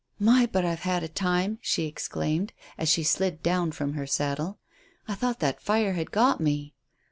"My, but I've had a time," she exclaimed, as she slid down from her saddle. "I thought that fire had got me.